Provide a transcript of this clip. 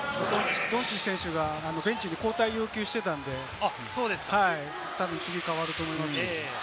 ドンチッチ選手がベンチに交代を要求していたので、切り替わると思います。